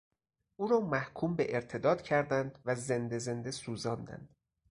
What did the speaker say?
او را محکوم به ارتداد کردند و زنده زنده سوزاندند.